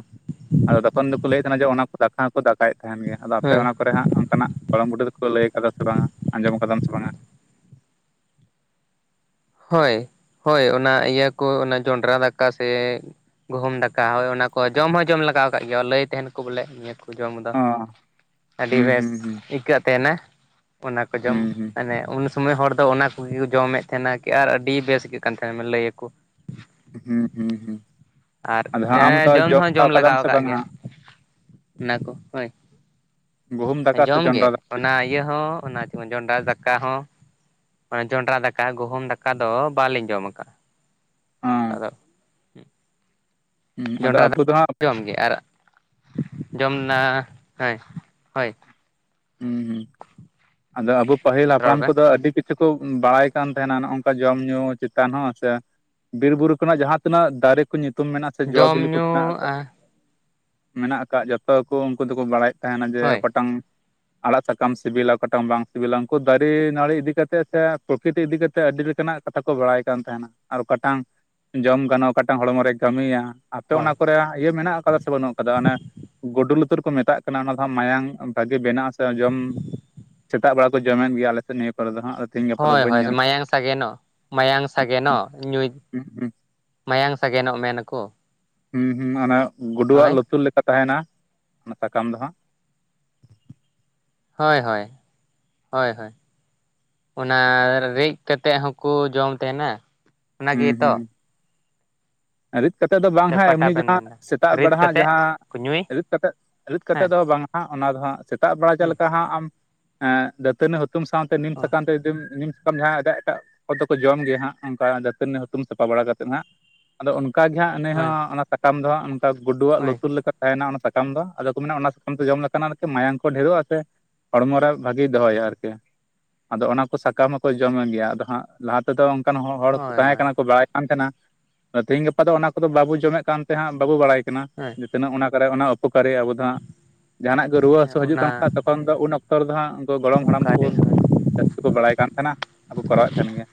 ᱟᱫᱚ ᱛᱚᱠᱷᱚᱱ ᱫᱚᱠᱚ ᱞᱟᱹᱭᱮᱫ ᱛᱟᱦᱮᱱᱟ ᱡᱮ ᱚᱱᱟ ᱠᱚ ᱫᱟᱠᱟᱠᱚ ᱫᱟᱠᱟᱭᱮᱫ ᱛᱟᱦᱮᱱ ᱜᱮᱭᱟ ᱟᱫᱚ ᱟᱯᱮ ᱦᱳᱭ ᱚᱱᱟ ᱠᱚᱨᱮ ᱛᱟᱦᱮᱱ ᱜᱮᱭᱟ ᱟᱫᱚ ᱟᱯᱮ ᱚᱱᱟ ᱠᱚᱨᱮ ᱦᱟᱸᱜ ᱚᱱᱠᱟᱱᱟᱜ ᱜᱚᱲᱚᱢ ᱵᱩᱰᱷᱤ ᱫᱚᱠᱚ ᱞᱟᱹᱭ ᱟᱠᱟᱫᱟ ᱥᱮ ᱵᱟᱝ ᱟᱸᱡᱚᱢ ᱟᱠᱟᱫᱟᱢ ᱵᱟᱝᱟ ᱦᱳᱭ ᱦᱳᱭ ᱚᱱᱟ ᱤᱭᱟᱹ ᱠᱚ ᱚᱱᱟ ᱡᱚᱱᱰᱨᱟ ᱫᱟᱠᱟ ᱥᱮ ᱜᱩᱦᱩᱢ ᱫᱟᱠᱟ ᱦᱳᱭ ᱚᱱᱟ ᱠᱚ ᱡᱚᱢ ᱦᱚᱸ ᱡᱚᱢ ᱞᱟᱜᱟᱣ ᱟᱠᱟᱟᱜ ᱜᱮᱭᱟ ᱞᱟᱹᱭ ᱛᱟᱦᱮᱱ ᱠᱚ ᱵᱚᱞᱮ ᱱᱤᱭᱟᱹ ᱠᱚ ᱠᱚ ᱡᱚᱢ ᱫᱚ ᱚ ᱟᱹᱰᱤ ᱦᱩᱸ ᱵᱮᱥ ᱦᱩᱸ ᱦᱩᱸ ᱟᱹᱭᱠᱟᱹᱜ ᱛᱟᱦᱮᱱᱟ᱾ ᱚᱱᱟ ᱠᱚ ᱡᱚᱢ ᱦᱩᱸ ᱦᱩᱸ ᱢᱟᱱᱮ ᱩᱱ ᱥᱩᱢᱚᱭ ᱦᱚᱲ ᱫᱚ ᱚᱱᱟ ᱠᱚᱜᱮ ᱠᱚ ᱡᱚᱢᱮᱫ ᱛᱟᱦᱮᱱᱟ᱾ ᱟᱨ ᱟᱹᱰᱤ ᱵᱮᱥ ᱟᱹᱭᱠᱟᱹᱜ ᱠᱟᱱ ᱛᱟᱦᱮᱱ ᱞᱟᱹᱭᱟᱠᱚ ᱦᱩᱸ ᱦᱩᱸ ᱦᱩᱸ ᱟᱨ ᱟᱫᱚ ᱦᱟᱸᱜ ᱟᱢ ᱫᱚ ᱡᱚᱢ ᱦᱚᱸ ᱵᱟᱲᱟ ᱡᱚᱢ ᱟᱠᱟᱫᱟᱢ ᱞᱟᱜᱟᱣ ᱥᱮ ᱠᱟᱜ ᱵᱟᱝᱟ ᱜᱮᱭᱟ᱾ ᱚᱱᱟ ᱠᱚ ᱦᱳᱭ ᱜᱩᱦᱩᱢ ᱫᱟᱠᱟ ᱥᱮ ᱡᱚᱢ ᱜᱮ ᱡᱚᱱᱰᱨᱟ ᱫᱟᱠᱟ ᱚᱱᱟ ᱤᱭᱟᱹ ᱦᱚᱸ ᱚᱱᱟ ᱪ ᱡᱚᱱᱰᱨᱟ ᱫᱟᱠᱟ ᱦᱚᱸ ᱡᱚᱱᱰᱨᱟ ᱫᱟᱠᱟ ᱜᱩᱦᱩᱢ ᱫᱟᱠᱟ ᱫᱚ ᱵᱟᱞᱤᱧ ᱡᱚᱢ ᱠᱟᱜᱼᱟ᱾ ᱩᱱ ᱞᱮᱠᱟ ᱫᱚ ᱦᱮᱸ ᱟᱫᱚ ᱡᱚᱸᱰᱨᱟ ᱟᱵᱚ ᱫᱚ ᱦᱟᱸᱜ ᱡᱚᱢᱜᱮ ᱟᱨ ᱡᱚᱢ ᱦᱳᱭ ᱦᱳᱭ ᱦᱩᱸ ᱦᱩᱸ! ᱟᱫᱚ ᱟᱵᱚ ᱯᱟᱹᱦᱤᱞ ᱨᱚᱲ ᱦᱟᱯᱲᱟᱢ ᱵᱮᱱ ᱠᱚᱫᱚ ᱟᱹᱰᱤ ᱠᱤᱪᱷᱩ ᱠᱚ ᱵᱟᱲᱟᱭ ᱠᱟᱱ ᱛᱟᱦᱮᱱᱟ ᱱᱚ ᱱᱚᱝᱠᱟ ᱡᱚᱢ ᱧᱩ ᱪᱮᱛᱟᱱ ᱦᱚᱸ ᱥᱮ ᱵᱤᱨᱼᱵᱩᱨᱩ ᱠᱷᱨᱮᱱᱟᱜ ᱡᱟᱦᱟᱸ ᱛᱤᱱᱟᱹᱜ ᱫᱟᱨᱮ ᱠᱚ ᱧᱩᱛᱩᱢ ᱢᱮᱱᱟᱜᱼᱟ ᱥᱮ ᱡᱚ ᱵᱤᱞᱤ ᱡᱚᱢ ᱠᱚ ᱢᱮᱱᱟᱜ ᱧᱩ ᱟᱠᱟᱟᱜᱼᱟ᱾ ᱢᱮᱱᱟᱜ ᱟᱠᱟᱫ ᱡᱚᱛᱚ ᱠᱚ ᱩᱱᱠᱩ ᱫᱚᱠᱚ ᱵᱟᱲᱟᱭᱮᱫ ᱛᱟᱦᱮᱱᱟ ᱡᱮ ᱦᱳᱭ ᱚᱠᱟᱴᱟᱝ ᱟᱲᱟᱜ ᱥᱟᱠᱟᱢ ᱥᱤᱵᱤᱞᱟ ᱚᱠᱟᱴᱟᱜ ᱮᱢ ᱵᱟᱝ ᱥᱤᱵᱤᱞᱟ ᱩᱱᱠᱩ ᱫᱟᱨᱮ ᱱᱟᱹᱲᱤ ᱤᱫᱤᱠᱟ ᱠᱟᱛᱮ ᱥᱮ ᱯᱨᱚᱠᱨᱤᱤᱛ ᱤᱫᱤ ᱠᱟᱛᱮ ᱟᱹᱰᱤᱞᱮᱠᱟᱱ ᱱᱟᱜ ᱠᱟᱛᱷᱟ ᱠᱚ ᱵᱟᱲᱟᱭ ᱠᱟᱱ ᱛᱟᱦᱮᱱᱟ ᱟᱨ ᱚᱠᱟᱴᱟᱝ ᱡᱚᱢ ᱜᱟᱱᱚᱜᱼᱟ᱾ ᱚᱴᱟᱝ ᱦᱚᱲᱢᱚ ᱨᱮ ᱠᱟᱹᱢᱤᱭᱟ ᱟᱯᱮ ᱦᱳᱭ ᱚᱱᱟ ᱠᱚᱨᱮ ᱤᱭᱟᱹ ᱢᱮᱱᱟᱜ ᱟᱠᱟᱫᱟ ᱥᱮ ᱵᱟᱹᱱᱩᱜ ᱟᱠᱟᱫᱟ᱾ ᱚᱱᱮ ᱜᱩᱰ ᱞᱩᱛᱩᱨ ᱩᱛᱟᱹᱨ ᱠᱚ ᱢᱮᱛᱟᱜ ᱠᱟᱱᱟ ᱚᱱᱟ ᱫᱚᱟᱜ ᱢᱟᱭᱟᱢ ᱵᱷᱟᱜᱮ ᱵᱮᱱᱟᱜᱼᱟ᱾ ᱡᱚᱢ ᱥᱮᱛᱟᱜ ᱵᱮᱲᱟ ᱠᱚ ᱡᱚᱢᱮᱫ ᱜᱮᱭᱟ ᱟᱞᱮᱥᱮᱫ ᱱᱤᱭᱟᱹ ᱠᱚᱨᱮ ᱫᱚ ᱦᱟᱸᱜ ᱛᱮᱦᱤᱧ ᱜᱟᱯᱟ ᱫᱚ ᱦᱳᱭ ᱵᱟᱹᱧ ᱦᱳᱭ ᱧᱮᱞ ᱢᱟᱭᱟᱝ ᱥᱟᱜᱮᱱ ᱢᱟᱭᱟᱝ ᱥᱟᱜᱮᱱᱮᱱ ᱧᱩᱭ ᱦᱩᱸ ᱦᱩᱸ ᱢᱟᱭᱟᱝ ᱥᱟᱜᱮᱱᱚᱜ ᱢᱮᱱ ᱟᱠᱚ ᱦᱩᱸ ᱦᱩᱸ ᱚᱱᱟ ᱜᱩᱰᱩᱣᱟᱜ ᱞᱩᱛᱩᱨ ᱞᱮᱠᱟᱛᱮ ᱛᱟᱦᱮᱱᱟ ᱚᱱᱟ ᱥᱟᱠᱟᱢ ᱫᱚ ᱦᱟᱸᱜ ᱦᱳᱭ ᱦᱳᱭ ᱦᱳᱭ ᱦᱳᱭ ᱚᱱᱟ ᱨᱤᱜ ᱠᱟᱛᱮᱜ ᱦᱚᱸᱠᱚ ᱡᱚᱢ ᱛᱟᱦᱮᱱᱟ ᱚᱱᱟ ᱜᱮᱛᱚ ᱟᱨ ᱠᱟᱛᱮ ᱫᱚ ᱵᱟᱝ ᱦᱟᱜ ᱚᱠᱟᱴᱟᱜ ᱮᱢᱱᱤ ᱵᱮᱱ ᱡᱟᱦᱟᱸ ᱢᱮᱱᱫᱟ ᱥᱮᱛᱟᱜ ᱨᱤᱫ ᱵᱮᱲᱟ ᱦᱟᱸᱜ ᱠᱟᱛᱮᱜ ᱡᱟᱦᱟᱸ ᱠᱚ ᱧᱩᱭ ᱨᱤᱫ ᱠᱟᱛᱮᱮᱫ ᱨᱤᱫ ᱠᱟᱛᱮ ᱦᱮᱸ ᱫᱚ ᱵᱟᱝ ᱚᱱᱟ ᱫᱚ ᱦᱟᱜ ᱥᱮᱛᱟᱜ ᱵᱮᱲᱟ ᱪᱮᱫ ᱞᱮᱠᱟ ᱦᱟᱜ ᱟᱢ ᱮᱸ ᱫᱟᱹᱛᱟᱹᱱᱤ ᱦᱩᱛ ᱦᱩᱛᱛᱩᱢ ᱥᱟᱶᱛᱮ ᱱᱤᱢ ᱦᱳᱭ ᱥᱟᱠᱟᱢ ᱛᱮ ᱡᱫ ᱱᱤᱢ ᱥᱟᱠᱟᱢ ᱡᱟᱦᱟᱸᱭ ᱮᱴᱟᱜ ᱮᱴᱟᱜ ᱯ ᱫᱚ ᱠᱚ ᱡᱚᱢ ᱜᱮᱭᱟ ᱦᱟᱜ ᱚᱱᱠᱟ ᱟᱹᱱᱤ ᱦᱛᱩᱢ ᱥᱟᱯᱷᱟ ᱵᱟᱲᱟ ᱠᱟᱛᱮᱫ ᱦᱟᱸᱜ᱾ ᱟᱫᱚ ᱚᱱᱠᱟᱜᱮ ᱦᱟᱸᱜ ᱱᱤ ᱦᱳᱭ ᱦᱚᱸᱜ ᱚᱱᱟ ᱥᱟᱠᱟᱢ ᱫᱚᱦᱟᱸᱜ ᱚᱠᱟ ᱜᱩᱰᱩᱣᱟᱜ ᱦᱳᱭ ᱞᱩᱛᱩᱨ ᱞᱮᱠᱟᱱᱟ ᱚᱱᱟ ᱥᱟᱠᱟᱢ ᱫᱚ ᱟᱫᱚ ᱠᱚ ᱢᱮᱱᱟ ᱚᱱᱟ ᱥᱟᱠᱟᱢ ᱛᱮ ᱡᱚᱢ ᱞᱮᱠᱟᱱᱟᱜᱠ ᱢᱟᱭᱟᱝ ᱠᱚ ᱰᱷᱮᱨᱚᱜᱼᱟ ᱥᱮ ᱦᱚᱲᱢᱚᱨᱮ ᱵᱷᱟᱜᱤᱭ ᱫᱚᱦᱚᱭᱟ ᱟᱨᱠᱤ ᱟᱫᱚ ᱚᱱᱟ ᱠᱚ ᱥᱟᱠᱟᱢ ᱦᱚᱸᱠᱚ ᱡᱚᱢᱮ ᱜᱮᱭᱟ ᱟᱫᱚ ᱦᱟᱸᱜ ᱞᱟᱦᱟ ᱛᱮᱫᱚ ᱚᱱᱠᱟᱱ ᱦᱚᱲ ᱦᱳᱭ ᱛᱟᱦᱮᱸ ᱠᱟᱱᱟ ᱠᱚ ᱦᱳᱭ ᱵᱟᱲᱟᱭ ᱠᱟᱱ ᱛᱟᱦᱮᱸᱱᱟ ᱛᱮᱤᱦᱤᱧ ᱜᱟᱯᱟ ᱫᱚ᱾ ᱚᱱᱟ ᱠᱚᱫᱚ ᱵᱟᱵᱚ ᱡᱚᱢᱮᱫ ᱠᱟᱱ ᱛᱟᱦᱮᱸᱜ ᱵᱟᱵᱚ ᱵᱟᱲᱟᱭ ᱡᱮ ᱛᱤᱱᱟᱹᱜ ᱚᱱᱟ ᱠᱚᱨᱮ ᱚᱱᱟ ᱩᱯᱚᱠ ᱠᱟᱨ ᱟᱵᱚ ᱫᱚᱟᱸ ᱡᱟᱦᱟᱱᱟᱜ ᱜᱮ ᱨᱩᱣᱟᱹ ᱦᱳᱭ ᱦᱟᱹᱥᱩ ᱦᱤᱡᱩᱜ ᱚᱱᱟ ᱠᱟᱱ ᱠᱷᱟᱡ ᱛᱚᱠᱷᱚᱱ ᱫᱚ ᱩᱱ ᱚᱠᱛᱚ ᱨᱮᱫᱚ ᱦᱟᱸᱜ ᱜᱚᱲᱚᱢ ᱦᱟᱲᱟᱢ ᱠᱚ ᱚᱠᱟᱨᱮ ᱡᱟᱹᱥᱛᱤ ᱠᱚ ᱵᱟᱲᱟᱭ ᱠᱟᱱ ᱛᱟᱦᱮᱱᱟ ᱟᱨ ᱠᱚ ᱠᱚᱨᱟᱣᱮᱫ ᱛᱟᱦᱮᱱ ᱜᱮᱭᱟ᱾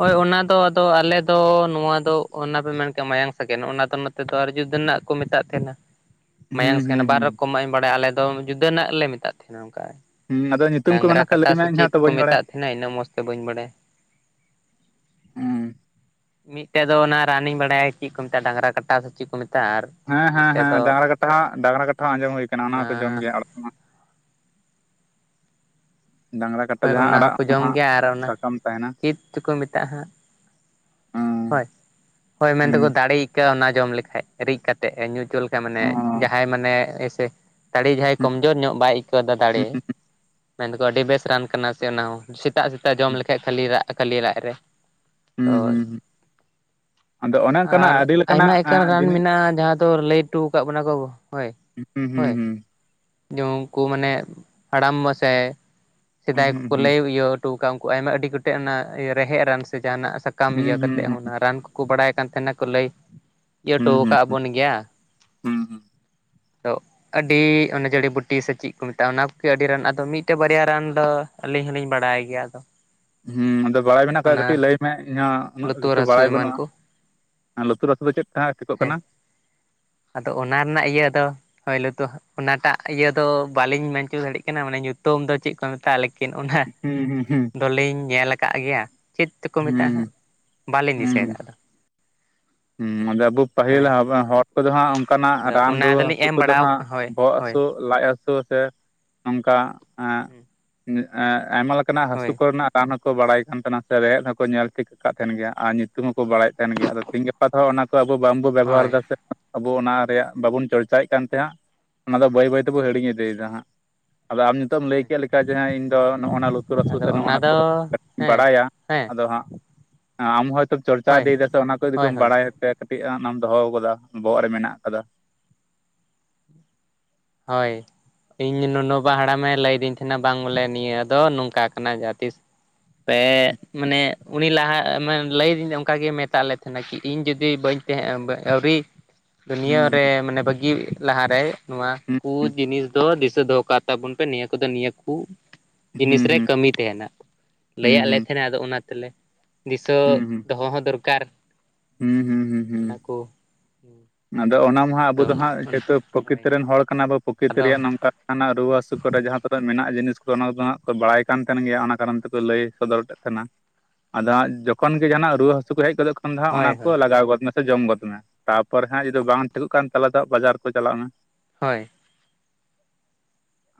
ᱦᱳᱭ ᱚᱱᱟ ᱫᱚ ᱟᱫᱚ ᱟᱞᱮ ᱫᱚ ᱱᱚᱣᱟ ᱫᱚ ᱚᱱᱟ ᱯᱮ ᱢᱮᱱ ᱠᱮᱭᱟ ᱢᱟᱭᱟᱝ ᱥᱠᱮᱱ ᱚᱱᱟ ᱫᱚ ᱱᱚᱛᱮ ᱫᱚ ᱟᱨ ᱡᱩᱫᱤ ᱨᱮᱱᱟᱜ ᱠᱚ ᱢᱮᱛᱟᱜ ᱛᱟᱦᱮᱱᱟ᱾ ᱢᱟᱭᱟᱝ ᱦᱩᱸ ᱥᱜ ᱦᱩᱸ ᱵᱟᱨ ᱦᱩᱸ ᱨᱚᱠᱚᱢᱟᱜ ᱤᱧ ᱵᱟᱲᱟᱭᱟ ᱟᱞᱮ ᱫᱚ ᱡᱩᱫᱟᱹ ᱨᱮᱱᱟᱜ ᱞᱮ ᱢᱮᱛᱟᱜ ᱛᱟᱦᱮᱱᱟ᱾ ᱦᱩᱸ ᱟᱫᱚ ᱧᱩᱛᱩᱢ ᱠᱚ ᱰᱟᱝᱨᱟ ᱢᱮᱱᱟᱜ ᱠᱷᱟᱡ ᱠᱟᱴᱟ ᱞᱟᱹᱭ ᱢᱮ ᱥᱮ ᱤᱧ ᱦᱚᱸ ᱪᱮᱫ ᱛᱚ ᱠᱚ ᱵᱟᱹᱧ ᱵᱟᱲᱟᱭᱟ ᱢᱮᱛᱟᱜ ᱛᱟᱦᱮᱱᱟ ᱩᱱᱟᱹᱜ ᱢᱚᱡᱽ ᱛᱮ ᱵᱟᱹᱧ ᱵᱟᱲᱟᱭᱟ᱾ ᱦᱮᱸ ᱢᱤᱫᱴᱮᱱ ᱫᱚ ᱚᱱᱟ ᱨᱟᱱᱤᱧ ᱵᱟᱲᱟᱭᱟ ᱪᱮᱫ ᱠᱚ ᱢᱮᱛᱟᱜᱼᱟ ᱰᱟᱝᱨᱟ ᱠᱟᱴᱟ ᱥᱮ ᱪᱮᱫ ᱠᱚ ᱢᱮᱛᱟᱜᱼᱟ᱾ ᱟᱨ ᱦᱮᱸ ᱦᱮᱸ ᱢᱤᱫᱴᱮᱡ ᱦᱮᱸ ᱫᱚ ᱰᱟᱝᱨᱟ ᱠᱟᱴᱟ ᱰᱟᱝᱨᱟ ᱠᱟᱴᱟ ᱦᱚᱸ ᱟᱸᱡᱚᱢ ᱦᱩᱭ ᱠᱟᱱᱟ ᱚᱱᱟ ᱦᱚᱸᱠᱚ ᱡᱚᱢ ᱜᱮᱭᱟ ᱟᱲ ᱢᱟ ᱰᱟᱝᱨᱟ ᱠᱟᱴᱟ ᱦᱳᱭ ᱡᱟᱦᱟᱸ ᱚᱱᱟ ᱟᱲᱟᱜ ᱦᱚᱸᱠᱚ ᱡᱚᱢ ᱦᱟᱸᱜ ᱜᱮᱭᱟ ᱟᱨ ᱚᱱᱟ ᱥᱟᱠᱟᱢ ᱛᱟᱦᱮᱱᱟ ᱪᱮᱫ ᱛᱮᱠᱚ ᱢᱮᱛᱟᱜᱼᱟ ᱦᱟᱸᱜ᱾ ᱦᱩᱸ ᱦᱳᱭ ᱦᱳᱭ ᱢᱮᱱᱛᱮᱠᱚ ᱦᱩᱸ ᱫᱟᱲᱮ ᱟᱹᱭᱠᱟᱹᱜᱼᱟ᱾ ᱚᱱᱟ ᱡᱚᱢ ᱞᱮᱠᱷᱟᱡ ᱨᱤᱫ ᱠᱟᱛᱮᱜ ᱧᱩ ᱦᱚᱪᱚ ᱞᱮᱠᱷᱟᱱᱡ ᱢᱟᱱᱮ ᱚ ᱡᱟᱦᱟᱸᱭ ᱢᱟᱱᱮᱭᱥᱮ ᱛᱟᱲᱮ ᱡᱟᱦᱟᱸᱭ ᱦᱩᱸ ᱠᱚᱢᱡᱳᱨ ᱧᱚᱜ ᱵᱟᱭ ᱠᱮᱵᱟ ᱫᱟᱲᱮ ᱦᱩᱸ ᱢᱮᱱᱫᱚᱠᱚ ᱟᱹᱰᱤ ᱵᱮᱥ ᱨᱟᱱ ᱠᱟᱱᱟ ᱥᱮ ᱚᱱᱟ ᱦᱚᱸ ᱥᱮᱛᱟᱜ ᱥᱮᱛᱟᱜ ᱡᱚᱢ ᱦᱩᱸ ᱞᱮᱠᱷᱟᱡ ᱠᱷᱟᱹᱞᱤ ᱨᱟᱜ ᱠᱷᱟᱞᱤ ᱞᱟᱡ ᱨᱮ ᱦᱩᱸ ᱚᱭ ᱦᱩᱸ ᱦᱩᱸ ᱟᱫᱚ ᱚᱱᱮ ᱚᱱᱠᱟᱱᱟᱜ ᱟᱨ ᱟᱹᱰᱤ ᱞᱮᱠᱟᱱᱟᱜ ᱟᱭᱢᱟ ᱮᱠᱟᱱ ᱨᱟᱱ ᱡᱤᱱᱤᱥ ᱢᱮᱱᱟᱜᱼᱟ ᱡᱟᱦᱟᱸᱼᱼ ᱛᱚ ᱞᱟᱹᱭ ᱦᱚᱴᱚ ᱟᱠᱟᱫ ᱵᱚᱱᱟ ᱠᱚ ᱦᱩᱸ ᱦᱩᱸ ᱦᱩᱸ ᱡᱮ ᱩᱱᱠᱩ ᱢᱟᱱᱮ ᱦᱟᱲᱟᱢ ᱵᱟᱥᱮ ᱦᱩᱸ ᱥᱮᱫᱟᱭ ᱦᱩᱸ ᱠᱚᱠᱚ ᱞᱟᱹᱭ ᱤᱭᱟᱹ ᱠᱚ ᱠᱟᱜ ᱩᱱᱠᱩ ᱟᱭᱢᱟ ᱟᱹᱰᱤ ᱜᱚᱴᱮᱡ ᱚᱱᱟ ᱨᱮᱦᱮᱫ ᱨᱟᱱ ᱥᱮ ᱡᱟᱦᱟᱱᱟᱜ ᱥᱟᱠᱟᱢ ᱦᱩᱸ ᱤᱭᱟᱹ ᱦᱩᱸ ᱠᱟᱛᱮ ᱦᱩᱸ ᱦᱚᱸ ᱚᱱᱟ ᱨᱟᱱ ᱠᱚᱠᱚ ᱵᱟᱲᱟᱭ ᱠᱟᱱ ᱛᱟᱦᱮᱱᱟ ᱠᱚ ᱞᱟᱹᱭ ᱤᱭᱟᱹ ᱦᱚᱴᱚ ᱦᱩᱸ ᱦᱩᱸ ᱟᱠᱟᱜ ᱵᱚᱱ ᱜᱮᱭᱟ ᱦᱩᱸ ᱛᱚ ᱟᱹᱰᱤ ᱚᱱᱮ ᱡᱟᱹᱲᱤ ᱵᱩᱴᱤ ᱥᱮ ᱪᱮᱫ ᱠᱚ ᱢᱮᱛᱟᱜᱼᱟ ᱚᱱᱟ ᱠᱚᱜᱮ ᱟᱹᱰᱤ ᱨᱟᱱ ᱟᱫᱚ ᱢᱤᱫᱴᱮᱡ ᱵᱟᱨᱭᱟ ᱨᱟᱱ ᱟᱫᱚ ᱟᱹᱞᱤᱧ ᱦᱚᱞᱤᱧ ᱵᱟᱲᱟᱭ ᱜᱮᱭᱟ ᱟᱫᱚ ᱦᱮᱸ ᱟᱫᱚ ᱵᱟᱲᱟᱭ ᱢᱮᱱᱟᱜ ᱟᱠᱟᱫᱟ ᱚᱱᱟ ᱠᱟᱹᱴᱤᱡ ᱞᱟᱹᱭ ᱢᱮ ᱤᱧᱦᱚᱸ ᱩᱱᱟᱹᱜ ᱞᱩᱛᱩᱨ ᱠᱤᱪᱷᱩ ᱦᱟᱹᱥᱩ ᱵᱟᱲᱟᱭ ᱮᱢᱟᱱ ᱵᱟᱹᱱᱩᱜᱼᱟ ᱠᱚ ᱞᱩᱛᱩᱨ ᱦᱟᱹᱥᱩ ᱫᱚ ᱪᱮᱫ ᱠᱟ ᱴᱷᱤᱠᱚᱜ ᱦᱮᱸ ᱠᱟᱱᱟ ᱟᱫᱚ ᱚᱱᱟ ᱨᱮᱱᱟᱜ ᱤᱭᱟᱹ ᱫᱚ ᱦᱳᱭ ᱞᱩᱛᱩ ᱚᱱᱟᱴᱟᱜ ᱤᱭᱟᱹ ᱫᱚ ᱵᱟᱞᱤᱧ ᱢᱮᱱᱪᱚ ᱫᱟᱲᱮᱭᱟᱜ ᱠᱟᱱᱟ ᱢᱟᱱᱮ ᱧᱩᱛᱩᱢ ᱫᱚ ᱪᱮᱫ ᱠᱚ ᱢᱮᱛᱟᱜᱼᱟ ᱠᱤᱱ ᱚᱱᱦᱟ ᱦᱩᱸ ᱦᱩᱸ ᱦᱩᱸ ᱫᱚᱞᱤᱧ ᱧᱮᱞ ᱟᱠᱟᱫ ᱜᱮᱭᱟ ᱪᱮᱫ ᱛᱮᱠᱚ ᱢᱮᱛᱟᱜᱼᱟ ᱦᱩᱸ ᱦᱟᱸᱜ ᱵᱟᱞᱤᱧ ᱫᱤᱥᱟᱹᱭᱫᱟ ᱟᱫᱚ ᱩᱸ ᱟᱫᱚ ᱟᱵᱩ ᱯᱟᱹᱦᱤᱞ ᱦᱳᱭ ᱦᱟᱵ ᱦᱚᱲ ᱠᱚᱫᱚ ᱦᱟᱸᱜ ᱚᱝᱠᱟᱱᱟᱜ ᱟᱫᱚ ᱨᱟᱱ ᱚᱱᱟ ᱨᱩᱣᱟᱹ ᱫᱚᱞᱤᱧ ᱦᱟᱥᱩ ᱮᱢ ᱠᱚᱫᱚ ᱵᱟᱲᱟ ᱦᱟᱸᱜ ᱦᱳᱭ ᱵᱚᱦᱚᱜ ᱦᱳᱭ ᱦᱟᱹᱥᱩ ᱞᱟᱡ ᱦᱟᱹᱥᱩ ᱥᱮ ᱱᱚᱝᱠᱟ ᱮᱸᱜ ᱮᱸ ᱟᱭᱢᱟ ᱞᱮᱠᱟᱱᱟᱜ ᱦᱳᱭ ᱦᱟᱹᱥᱩ ᱠᱚᱨᱮᱱᱟᱜ ᱨᱟᱱ ᱠᱚ ᱵᱟᱲᱟᱭ ᱠᱟᱱ ᱛᱟᱦᱮᱱᱟ ᱥᱮ ᱨᱮᱦᱮᱫ ᱦᱚᱸᱠᱚ ᱧᱮᱞ ᱴᱷᱤᱠ ᱠᱟᱫ ᱛᱟᱦᱮᱱ ᱜᱮᱭᱟ ᱟᱨ ᱧᱩᱛᱩᱢ ᱦᱚᱸᱠᱚ ᱵᱟᱲᱟᱭᱮᱫ ᱛᱟᱦᱮᱱ ᱜᱮᱭᱟ ᱟᱫᱚ ᱛᱮᱦᱤᱧ ᱜᱟᱯᱟ ᱫᱚ ᱚᱱᱟ ᱠᱚ ᱟᱵᱚ ᱵᱟᱝᱵᱚ ᱵᱮᱵᱚᱦᱟᱨ ᱦᱳᱭ ᱫᱟ ᱥᱮ ᱟᱵᱚ ᱚᱱᱟ ᱨᱮᱭᱟᱜ ᱵᱟᱵᱚᱱ ᱪᱚᱨᱪᱟᱭᱮᱜ ᱠᱟᱱ ᱛᱟᱦᱮᱸᱜ ᱚᱱᱟ ᱫᱚ ᱵᱟᱹᱭ ᱵᱟᱹᱭ ᱛᱮᱵᱚ ᱦᱤᱲᱤᱧ ᱤᱫᱤᱭᱮᱫᱟ ᱦᱟᱸᱜ ᱟᱫᱚ ᱟᱢ ᱱᱤᱛᱚᱜ ᱮᱢ ᱞᱟᱹᱭ ᱦᱳᱭ ᱠᱮᱫ ᱞᱮᱠᱟ ᱡᱮ ᱤᱧ ᱫᱚ ᱱᱚᱜᱼᱚᱱᱟ ᱞᱩᱛᱩᱨ ᱦᱟᱹᱥᱩ ᱟᱫᱚ ᱥᱮ ᱚᱱᱟ ᱱᱚᱜᱼᱚᱱᱟ ᱠᱚ ᱫᱚ ᱦᱮᱸ ᱵᱟᱲᱟᱭᱟ ᱦᱮᱸ ᱟᱫᱚ ᱦᱟᱸᱜ ᱟᱢ ᱦᱚᱭᱛᱚᱢ ᱪᱚᱨᱪᱟ ᱦᱳᱭ ᱤᱫᱤᱭᱮᱫᱟ ᱥᱮ ᱚᱱᱟ ᱠᱚ ᱤᱫᱤ ᱦᱳᱭ ᱠᱚᱢ ᱦᱳᱭ ᱵᱟᱲᱟᱭᱟ ᱥᱮ ᱴᱤᱜᱼᱟ ᱚᱱᱟᱢ ᱫᱚᱦᱚᱠᱟᱫᱟ ᱵᱚᱦᱚᱜ ᱨᱮ ᱢᱮᱱᱟᱜ ᱠᱟᱫᱟ ᱦᱳᱭ ᱤᱧ ᱱᱩᱱᱩᱵᱟ ᱦᱟᱲᱟᱢᱮ ᱞᱟᱹᱭᱫᱤᱧ ᱛᱷᱮᱱᱟ ᱵᱟᱝ ᱵᱚᱞᱮ ᱱᱤᱭᱟᱹ ᱫᱚ ᱱᱚᱝᱠᱟ ᱠᱟᱱᱟ ᱡᱟᱦᱟᱸ ᱛᱤᱥ ᱯᱮ ᱢᱟᱱᱮ ᱩᱱᱤ ᱞᱟᱦᱟ ᱮ ᱢᱮ ᱞᱟᱹᱭᱫᱤᱧ ᱚᱝᱠᱟᱜᱮ ᱢᱮᱛᱟᱜ ᱞᱮ ᱛᱟᱦᱮᱱᱟᱭ ᱠᱤ ᱤᱧ ᱡᱩᱫᱤ ᱵᱟᱹᱧ ᱠᱮᱦᱮᱸ ᱵᱮ ᱟᱹᱣᱨᱤ ᱫᱩᱱᱭᱟᱹ ᱦᱩᱸ ᱨᱮ ᱢᱟᱱᱮ ᱵᱟᱹᱜᱤ ᱞᱟᱦᱟᱨᱮᱭ ᱱᱚᱣᱟ ᱦᱩᱸ ᱠᱩ ᱡᱤᱱᱤᱥ ᱫᱚ ᱫᱤᱥᱟᱹ ᱫᱚᱦᱚ ᱠᱟᱜ ᱛᱟᱵᱩᱱ ᱯᱮ ᱱᱤᱭᱟᱹ ᱠᱚᱫᱚ ᱱᱤᱭᱟᱹ ᱠᱩ ᱦᱩᱸ ᱡᱤᱱᱤᱥ ᱨᱮ ᱦᱩᱸ ᱠᱟᱹᱢᱤ ᱛᱟᱦᱮᱱᱟ ᱦᱩᱸ ᱞᱟᱹᱭᱟᱜ ᱞᱮ ᱦᱩᱸ ᱛᱟᱦᱮᱱᱟᱭ ᱟᱫᱚ ᱚᱱᱟ ᱛᱮᱞᱮ ᱫᱤᱥᱟᱹ ᱦᱩᱸ ᱫᱚᱦᱚ ᱦᱚᱸ ᱫᱚᱨᱠᱟᱨ ᱦᱩᱸ ᱦᱩᱸ ᱦᱩᱸ ᱦᱩᱸ ᱚᱱᱟ ᱠᱚ ᱟᱫᱚ ᱚᱱᱟ ᱢᱟ ᱦᱟᱜ ᱟᱵᱚ ᱟᱫᱚ ᱫᱚ ᱚᱱᱟ ᱦᱟᱸᱜ ᱡᱮᱦᱩᱛᱩ ᱦᱳᱭ ᱯᱨᱚᱠᱤᱛᱤᱨ ᱨᱮᱱ ᱦᱚᱲ ᱠᱟᱱᱟᱵᱚ ᱯᱨᱚᱠᱤᱛᱤ ᱟᱫᱚ ᱨᱮᱭᱟᱜ ᱱᱚᱝᱠᱟ ᱱᱟᱜ ᱨᱩᱣᱟᱹ ᱦᱟᱹᱥᱩ ᱛᱳᱜ ᱠᱚᱰᱮ ᱡᱟᱦᱟᱸ ᱠᱚᱫᱚ ᱢᱮᱱᱟᱜ ᱡᱤᱱᱤᱥ ᱠᱚ ᱚᱱᱟ ᱠᱚᱫᱚ ᱦᱟᱸᱜ ᱠᱚ ᱵᱟᱲᱟᱭ ᱠᱟᱱ ᱛᱟᱦᱮᱱ ᱜᱮᱭᱟ ᱚᱱᱟ ᱠᱟᱨᱚᱱ ᱛᱮᱠᱚ ᱞᱟᱹᱭ ᱥᱚᱫᱚᱨ ᱠᱟᱜ ᱛᱟᱦᱮᱱᱟ ᱟᱫᱚ ᱦᱟᱸᱜ ᱡᱚᱠᱷᱚᱱ ᱜᱮ ᱡᱟᱦᱟᱸᱱᱟᱜ ᱨᱩᱣᱟᱹ ᱦᱟᱹᱥᱩ ᱠᱩ ᱦᱮᱡ ᱜᱚᱫᱚᱜ ᱠᱟᱱ ᱫᱚ ᱦᱟᱸᱜ ᱚᱱᱟ ᱦᱳᱭ ᱦᱳᱭ ᱠᱚ ᱞᱟᱜᱟᱣ ᱜᱚᱫ ᱢᱮᱥᱮ ᱡᱚᱢ ᱜᱚᱫ ᱢᱮ ᱛᱟ ᱯᱚᱨᱮ ᱦᱟᱸᱜ ᱡᱩᱫᱤ ᱵᱟᱝ ᱴᱷᱤᱠᱚᱜ ᱠᱟᱱ ᱛᱟᱞᱮ ᱦᱟᱸᱜ ᱵᱟᱡᱟᱨ ᱠᱚ ᱪᱟᱞᱟᱜ ᱢᱮ ᱦᱳᱭ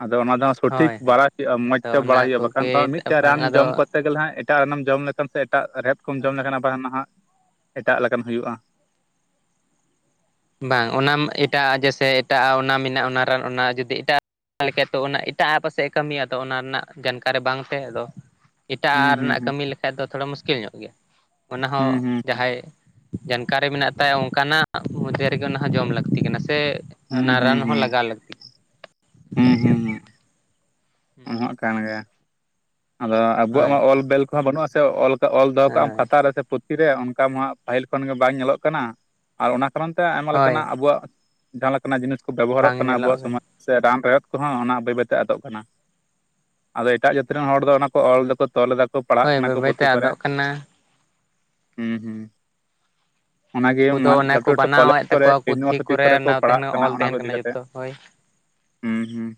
ᱟᱫᱚ ᱚᱱᱟ ᱫᱚ ᱥᱚᱴᱷᱤᱠ ᱦᱳᱭ ᱦᱳᱭ ᱵᱟᱲᱟᱭ ᱦᱩᱭᱩᱜᱼᱟ ᱢᱚᱸᱡᱽ ᱟᱫᱚ ᱛᱮ ᱚᱱᱟ ᱵᱟᱲᱟᱭ ᱦᱩᱭᱩᱜᱼᱟ ᱵᱟᱠᱷᱟᱱ ᱫᱚ ᱠᱚᱜᱮ ᱢᱤᱫᱴᱮᱱ ᱵᱟᱝ ᱨᱟᱱ ᱟᱫᱚ ᱡᱚᱢ ᱠᱚᱨᱛᱮ ᱜᱮᱞᱮ ᱦᱟᱸᱜ ᱮᱴᱟᱜ ᱨᱟᱱᱮᱢ ᱡᱚᱢ ᱞᱮᱠᱷᱟᱱ ᱥᱮ ᱮᱴᱟᱜ ᱨᱮᱦᱮᱫ ᱠᱚᱢ ᱦᱳᱭ ᱡᱚᱢ ᱞᱮᱠᱷᱟᱱ ᱟᱵᱟᱨ ᱱᱟᱦᱟᱜ ᱮᱴᱟᱜ ᱞᱮᱠᱟᱱ ᱦᱩᱭᱩᱜᱼᱟ ᱵᱟᱝ ᱚᱱᱟᱢ ᱮᱴᱟᱜ ᱟᱜ ᱡᱮᱭᱥᱮ ᱮᱴᱟᱜ ᱟᱜ ᱚᱱᱟ ᱢᱮᱱᱟᱜ ᱟ ᱚᱱᱟ ᱨᱟᱱ ᱚᱱᱟ ᱡᱩᱫᱤ ᱮᱴᱟᱜ ᱚᱱᱟ ᱞᱮᱠᱟ ᱛᱚ ᱚᱱᱟ ᱮᱴᱟᱜ ᱟᱜ ᱮ ᱯᱟᱥᱮᱜ ᱮ ᱠᱟᱹᱢᱤᱭᱟ ᱛᱚ ᱚᱱᱟ ᱨᱮᱱᱟᱜ ᱡᱟᱱᱠᱟᱨᱤ ᱵᱟᱝ ᱛᱮ ᱟᱫᱚ ᱮᱴᱟᱜ ᱦᱩᱸ ᱟᱜ ᱦᱩᱸ ᱨᱮᱱᱟᱜ ᱮ ᱦᱩᱸ ᱠᱟᱹᱢᱤ ᱞᱮᱠᱷᱟᱡ ᱫᱚ ᱛᱷᱚᱲᱟ ᱢᱩᱥᱠᱤᱞ ᱧᱚᱜ ᱜᱮᱭᱟ ᱚᱱᱟᱦᱚᱸ ᱦᱩᱸ ᱡᱟᱦᱟᱸᱭ ᱡᱟᱱᱠᱟᱨᱤ ᱢᱮᱱᱟᱜ ᱛᱟᱭ ᱚᱝᱠᱟᱱᱟᱜ ᱢᱚᱫᱽᱫᱷᱮ ᱨᱮᱜᱮ ᱚᱱᱟ ᱦᱚᱸ ᱡᱚᱢ ᱞᱟᱹᱠᱛᱤ ᱠᱟᱱᱟ ᱥᱮ ᱛᱮ ᱚᱱᱟ ᱨᱟᱱ ᱦᱚᱸ ᱞᱟᱜᱟᱣ ᱞᱟᱹᱠᱛᱤ ᱦᱩ ᱦᱩ ᱦᱩ ᱠᱟᱱᱟ᱾ ᱚᱱᱟᱦᱟᱜ ᱠᱟᱱ ᱜᱮ ᱟᱫᱚ ᱟᱵᱚᱣᱟᱜ ᱦᱳᱭ ᱢᱟ ᱚᱞ ᱵᱮᱞ ᱠᱚᱦᱚᱸ ᱵᱟᱹᱱᱩᱜᱼᱟ ᱥᱮ ᱚᱞ ᱠᱟᱜ ᱚᱞ ᱫᱚᱦᱚ ᱠᱟᱜᱼᱟᱢ ᱦᱳᱭ ᱠᱷᱟᱛᱟ ᱨᱮ ᱥᱮ ᱯᱩᱛ ᱛᱷᱤᱨᱮ ᱚᱝᱠᱟ ᱢᱟ ᱯᱟᱦᱤᱞ ᱠᱷᱚᱱᱜᱮ ᱵᱟᱝ ᱧᱮᱞᱚᱜ ᱠᱟᱱᱟ ᱟᱨ ᱚᱱᱟ ᱠᱟᱨᱚᱱ ᱛᱮ ᱟᱭᱢᱟ ᱦᱳᱭ ᱞᱮᱠᱟᱱᱟᱜ ᱟᱵᱩᱣᱟᱜ ᱡᱟᱦᱟᱸ ᱞᱮᱠᱟᱱᱟᱜ ᱡᱤᱱᱤᱥ ᱠᱚ ᱵᱮᱵᱚᱦᱟᱨᱚᱜ ᱵᱟᱝ ᱠᱟᱱᱟ ᱧᱮᱞᱚᱜ ᱟᱵᱚᱣᱟᱜ ᱥᱚᱢᱟᱡ ᱥᱮ ᱨᱟᱱ ᱨᱮᱦᱮᱫᱽ ᱠᱚᱦᱚᱸ ᱚᱱᱟ ᱵᱟᱹᱭ ᱵᱟᱹᱭᱛᱮ ᱟᱫᱚᱜ ᱠᱟᱱᱟ ᱟᱫᱚ ᱮᱴᱟᱜ ᱡᱟᱹᱛᱤ ᱨᱮᱱ ᱦᱚᱲ ᱫᱚ ᱚᱱᱟ ᱠᱚ ᱚᱞ ᱫᱟᱠᱚ ᱛᱚᱞ ᱫᱟᱠᱚ ᱯᱟᱲᱦᱟᱜ ᱦᱳᱭ ᱠᱟᱱᱟ ᱵᱟᱹᱭ ᱠᱚ ᱯᱩᱛᱷᱤ ᱵᱟᱹᱭᱛᱮ ᱠᱚᱨᱮ ᱟᱫᱚᱜ ᱠᱟᱱᱟ ᱦᱮᱸ ᱦᱮᱸ ᱚᱱᱟᱜᱮ ᱩᱱᱠᱩ ᱫᱚ ᱢᱟ ᱚᱱᱮ ᱞᱟᱹᱴᱩ ᱠᱚ ᱞᱟᱹᱴᱩ ᱠᱚᱞᱮᱡᱽ ᱵᱟᱱᱟᱣᱮᱫ ᱠᱚᱨᱮ ᱛᱟᱠᱚᱣᱟ ᱯᱩᱛᱷᱤ ᱤᱭᱩᱱᱤᱵᱷᱟᱨᱥᱤᱴᱤ ᱠᱚᱨᱮ ᱠᱚ ᱚᱱᱟ ᱯᱟᱲᱦᱟᱜ ᱛᱟᱦᱮᱱ ᱠᱟᱱᱟ ᱚᱞ ᱚᱱᱟ ᱠᱚ ᱛᱟᱦᱮᱱ ᱤᱫᱤ ᱠᱟᱛᱮᱜ ᱡᱚᱛᱚ ᱦᱳᱭ ᱦᱮᱸ ᱦᱮᱸ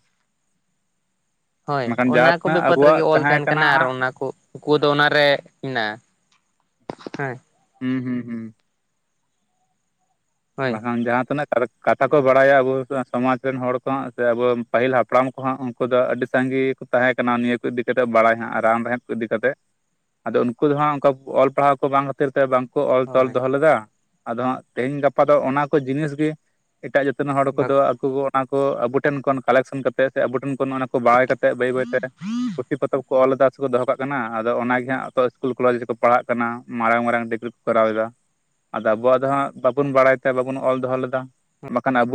ᱦᱳᱭ ᱚᱱᱟ ᱠᱚ ᱵᱤᱯᱚᱫ ᱨᱮᱜᱮ ᱚᱞ ᱛᱟᱦᱮᱸ ᱛᱟᱦᱮᱱ ᱠᱟᱱᱟ ᱟᱨ ᱦᱟᱸᱜ ᱚᱱᱟ ᱠᱚ ᱠᱩ ᱫᱚ ᱚᱱᱟᱨᱮ ᱢᱮᱱᱟᱜᱼᱟ ᱦᱮᱸ ᱦᱩᱸ ᱦᱩᱸ ᱦᱩᱸ ᱦᱳᱭ ᱵᱟᱠᱷᱟᱱ ᱡᱟᱦᱟᱸ ᱛᱤᱱᱟᱹᱜ ᱠᱟᱛᱷᱟ ᱠᱚ ᱵᱟᱲᱟᱭᱟ ᱟᱵᱚ ᱟ ᱥᱚᱢᱟᱡᱽ ᱨᱮᱱ ᱦᱚᱲ ᱠᱚᱦᱟᱸᱜ ᱥᱮ ᱟᱵᱚ ᱯᱟᱹᱦᱤᱞ ᱦᱟᱯᱲᱟᱢ ᱠᱚᱦᱟᱸᱜ ᱩᱱᱠᱩ ᱫᱚ ᱟᱹᱰᱤ ᱥᱟᱸᱜᱤ ᱠᱩ ᱛᱟᱦᱮᱸ ᱠᱟᱱᱟ ᱱᱤᱭᱟᱹ ᱠᱚ ᱤᱫᱤ ᱪᱮᱛᱚᱜ ᱵᱟᱲᱟᱭ ᱦᱟᱸᱜ ᱨᱟᱱ ᱨᱮᱦᱮᱫ ᱤᱫᱤ ᱠᱟᱛᱮᱜ ᱟᱫᱚ ᱩᱱᱠᱩ ᱫᱚ ᱦᱟᱸᱜ ᱚᱝᱠᱟ ᱚᱞ ᱯᱟᱲᱦᱟᱣ ᱠᱚ ᱵᱟᱝ ᱠᱷᱟᱹᱛᱤᱨ ᱛᱮ ᱵᱟᱝ ᱠᱚ ᱚᱞ ᱛᱚᱞ ᱦᱳᱭ ᱫᱚᱦᱚ ᱞᱮᱫᱟ ᱟᱫᱚ ᱦᱟᱸᱜ ᱛᱮᱦᱮᱧ ᱜᱟᱯᱟ ᱫᱚ ᱚᱱᱟ ᱠᱚ ᱡᱤᱱᱤᱥ ᱜᱤ ᱮᱴᱟᱜ ᱡᱟᱹᱛ ᱨᱮᱱ ᱦᱚᱲ ᱵᱟᱠᱚ ᱠᱚᱫᱚ ᱟᱠᱩ ᱠᱩ ᱚᱱᱟ ᱠᱩ ᱟᱵᱩ ᱴᱷᱮᱱ ᱠᱷᱚᱱ ᱠᱟᱞᱮᱠᱥᱚᱱ ᱠᱟᱛᱮᱜ ᱥᱮ ᱟᱵᱩ ᱴᱷᱮᱱ ᱠᱷᱚᱱ ᱚᱱᱟ ᱠᱚ ᱵᱟᱲᱟᱭ ᱠᱟᱛᱼᱼ ᱛᱮᱜ ᱵᱟᱹᱭ ᱵᱟᱹᱭ ᱛᱮ ᱯᱩᱛᱤ ᱯᱚᱛᱚᱵ ᱠᱚ ᱚᱞᱫᱟ ᱥᱮ ᱠᱚ ᱫᱚᱦᱚᱸ ᱠᱟᱜ ᱠᱟᱱᱟ ᱟᱫᱚ ᱚᱱᱟ ᱜᱮ ᱦᱟᱜ ᱛᱚ ᱥᱠᱩᱞ ᱠᱚᱞᱮᱡᱽ ᱨᱮᱠᱚ ᱯᱟᱲᱦᱟᱜ ᱠᱟᱱᱟ ᱢᱟᱨᱟᱝ ᱢᱟᱨᱟᱝ ᱰᱤᱜᱽᱨᱤ ᱠᱚ ᱠᱚᱨᱟᱣ ᱮᱫᱟ᱾ ᱟᱫᱚ ᱟᱵᱚᱣᱟᱜ ᱫᱚ ᱦᱟᱜ ᱵᱟᱵᱚᱱ ᱵᱟᱲᱟᱭ ᱛᱮ ᱵᱟᱵᱚᱱ ᱚᱞ ᱫᱚᱦᱚᱸ ᱞᱮᱫᱟ ᱵᱟᱠᱷᱟᱱ ᱟᱵᱚ